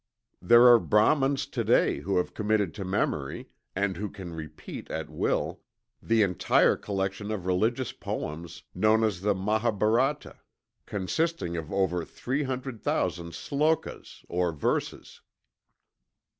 There are Brahmins to day who have committed to memory, and who can repeat at will, the entire collection of religious poems known as the Mahabarata, consisting of over 300,000 slokas or verses.